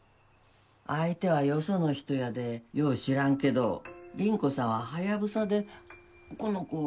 相手はよその人やでよう知らんけど倫子さんはハヤブサでこの子を産んだんや。